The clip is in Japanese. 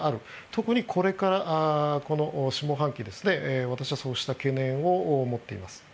特にこれからこの下半期私はそうした懸念を持っています。